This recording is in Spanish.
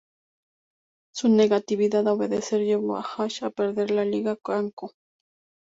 Su negativa a obedecer, llevo a Ash a perder en la Liga Kanto.